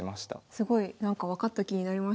すごいなんか分かった気になりました。